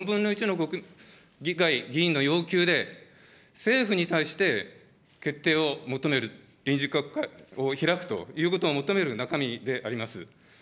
憲法５３条っていうのは、４分の１の議員の要求で、政府に対して決定を求める、臨時国会を開くということを求める中身であります。